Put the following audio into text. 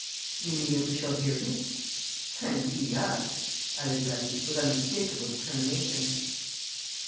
"You mean that we shall hear him?" "And he us!" added Levy, with unmistakable determination.